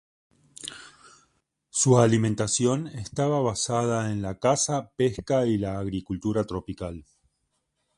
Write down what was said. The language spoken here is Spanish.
Su alimentación estaba basada en la caza, pesca y la agricultura tropical.